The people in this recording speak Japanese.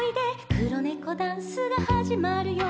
「くろネコダンスがはじまるよ」